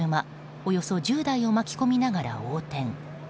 およそ１０台を巻き込みながら横転。